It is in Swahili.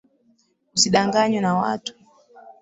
Usidanganywe na watu